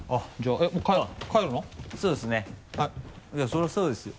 そりゃそうですよ。